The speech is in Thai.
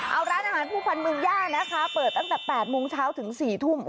เอาร้านอาหารผู้พันธ์เมืองย่านะคะเปิดตั้งแต่๘โมงเช้าถึง๔ทุ่ม